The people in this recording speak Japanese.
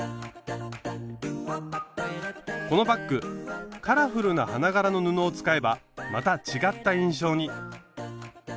このバッグカラフルな花柄の布を使えばまた違った印象に。